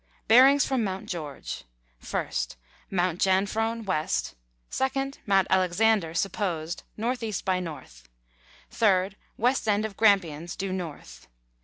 Bearings from Mt. George. 1st. Mount Jaufrone, West. 2nd. Mount Alexander (supposed), N.E. by N. 3rd. West end of Grampians, due North.